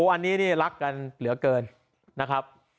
อันนี้นี่รักกันเหลือเกินนะครับ